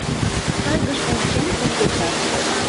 Шыргыж ончен теҥгечат.